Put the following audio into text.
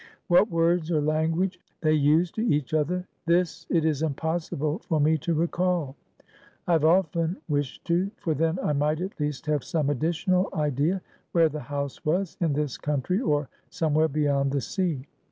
What words or language they used to each other, this it is impossible for me to recall. I have often wished to; for then I might at least have some additional idea whether the house was in this country or somewhere beyond the sea.